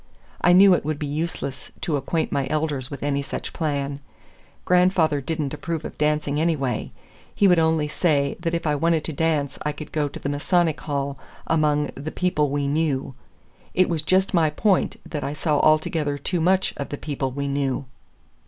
I knew it would be useless to acquaint my elders with any such plan. Grandfather did n't approve of dancing anyway; he would only say that if I wanted to dance I could go to the Masonic Hall, among "the people we knew." It was just my point that I saw altogether too much of the people we knew.